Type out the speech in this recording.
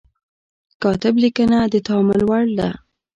کاتب لیکنه د تأمل وړ ده.